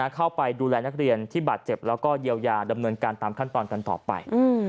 เข้าไปดูแลนักเรียนที่บาดเจ็บแล้วก็เยียวยาดำเนินการตามขั้นตอนกันต่อไป